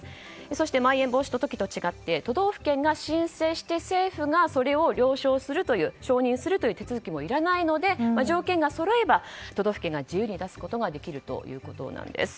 そして、まん延防止の時と違って都道府県が申請して政府がそれを了承する承認するという手続きもいらないので、条件がそろえば都道府県が自由に出すことができるわけなんです。